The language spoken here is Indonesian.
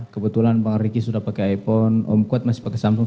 kebetulan bang riki sudah pakai iphone om kuat masih pakai sambung